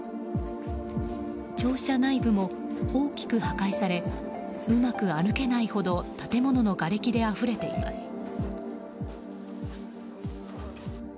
庁舎内部も大きく破壊されうまく歩けないほど建物のがれきであふれています。